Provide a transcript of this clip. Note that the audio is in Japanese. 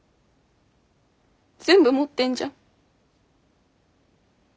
全部持ってんじゃん。